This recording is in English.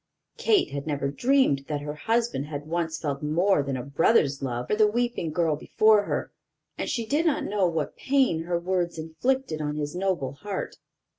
Kate had never dreamed that her husband had once felt more than a brother's love for the weeping girl before her, and she did not know what pain her words inflicted on his noble heart.